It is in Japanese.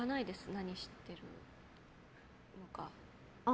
何してるのか。